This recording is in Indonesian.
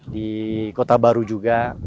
di kota baru juga